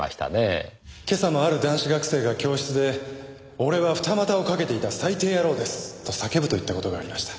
今朝もある男子学生が教室で「俺は二股をかけていた最低野郎です」と叫ぶといった事がありました。